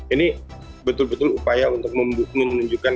ini betul betul upaya untuk menunjukkan